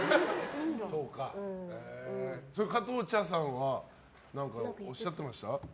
加藤茶さんは何かおっしゃってました？